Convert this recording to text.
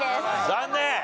残念！